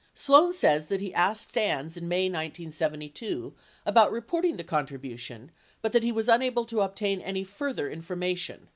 Sloan says that he asked Stans in May 1972 about reporting the contribution but that he was unable to obtain any further informa tion.